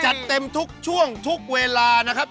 จัดเต็มทุกช่วงทุกเวลานะครับ